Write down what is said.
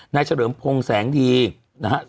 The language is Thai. นายเจริมพงษ์แสงดีนะฮะ